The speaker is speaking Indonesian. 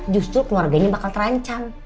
justru keluarganya bakal terancam